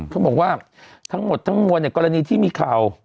เขาบอกว่าทั้งหมดทั้งมวลเนี่ยกรณีที่มีข่าว